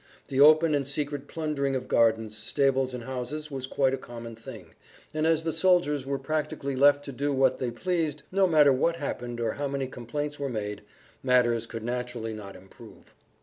The open and secret plundering of gardens, stables and houses was quite a common thing, and as the soldiers were practically left to do what they pleased, no matter what happened or how many complaints were made, matters could naturally not improve.